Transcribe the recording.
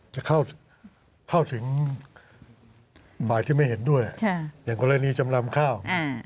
จะเข้าถึงฝ่ายที่ไม่เห็นด้วยอย่างกรณีจำนำข้าว